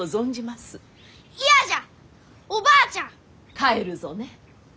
帰るぞね。